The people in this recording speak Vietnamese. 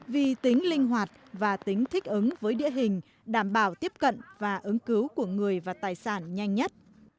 vì tính linh hoạt và tính thích ứng với địa hình đảm bảo tiếp cận và ứng cứu của người và tài sản nhanh nhất